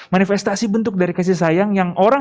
manifestasi bentuk dari kasih sayang yang orang